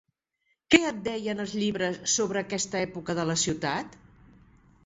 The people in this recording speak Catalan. Què et deien els llibres sobre aquesta època de la ciutat?